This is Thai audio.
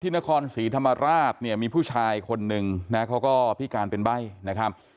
นครศรีธรรมราชเนี่ยมีผู้ชายคนหนึ่งนะเขาก็พิการเป็นใบ้นะครับ